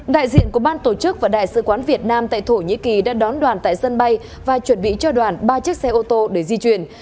đại diện của ban tổ chức và đại sứ quán việt nam tại thổ nhĩ kỳ đã đón đoàn tại sân bay và chuẩn bị cho đoàn ba chiếc xe ô tô để di chuyển